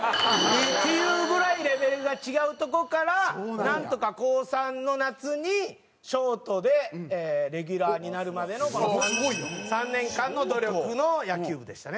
っていうぐらいレベルが違うとこからなんとか高３の夏にショートでレギュラーになるまでの３年間の努力の野球部でしたね。